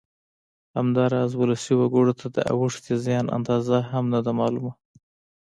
همداراز ولسي وګړو ته د اوښتې زیان اندازه هم نه ده معلومه